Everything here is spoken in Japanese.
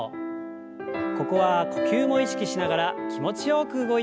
ここは呼吸も意識しながら気持ちよく動いてください。